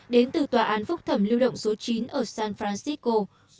đến từ tòa án phúc thẩm liên bang số chín ở san francisco